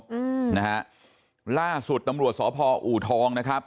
อืมนะฮะล่าสุดตำรวจสพอูทองนะครับ